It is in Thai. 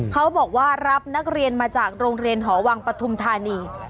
เขาบอกว่ารับนักเรียนมาจากโรงเรียนหอวังปฐุมธานี